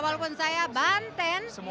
walaupun saya banten